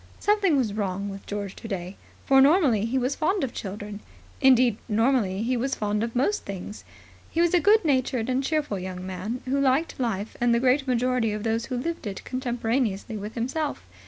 Something was wrong with George today, for normally he was fond of children. Indeed, normally he was fond of most things. He was a good natured and cheerful young man, who liked life and the great majority of those who lived it contemporaneously with himself.